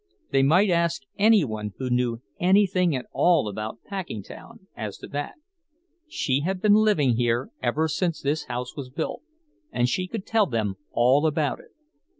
They might ask any one who knew anything at all about Packingtown as to that; she had been living here ever since this house was built, and she could tell them all about it.